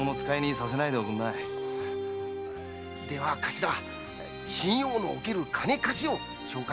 では頭信用のおける金貸しを紹介してくれんか。